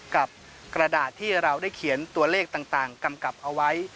กระดาษที่เราได้เขียนตัวเลขต่างกำกับเอาไว้